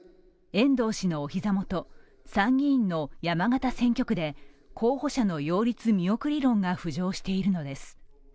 遠藤氏のお膝元、参議院の山形選挙区で候補者の擁立見送り論が浮上しているのです。